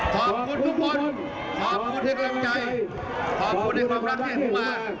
ขอบคุณทุกคนขอบคุณที่กำลังใจขอบคุณในความรักที่ให้ผมมา